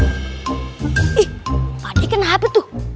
ih pak de kenapa tuh